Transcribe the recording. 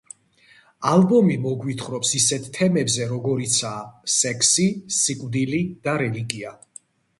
ალბომი მოგვითხრობს ისეთ თემებზე როგორიცაა სექსი, სიკვდილი და რელიგია.